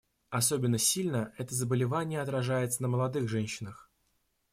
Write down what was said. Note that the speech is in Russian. Особенно сильно это заболевание отражается на молодых женщинах.